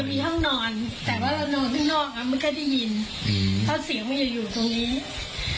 มีห้องนอนแต่ว่าเรานอนข้างนอกอ่ะไม่ค่อยได้ยินอืมเพราะเสียงมันจะอยู่ตรงนี้